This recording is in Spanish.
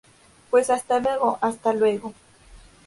pues hasta luego. hasta luego.